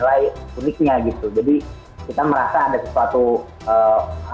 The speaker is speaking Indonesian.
film film jepang tentunya yang paling menarik benar benar adalah film film jepang